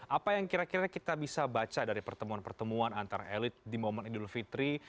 apa yang kira kira kita bisa baca dari pertemuan pertemuan antara elit di momen idul fitri